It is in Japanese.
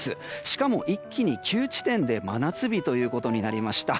しかも一気に９地点で真夏日となりました。